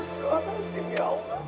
astagfirullahaladzim ya allah